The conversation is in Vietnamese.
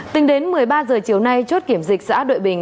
tính đến một mươi ba h chiều nay chốt kiểm dịch xã đội bình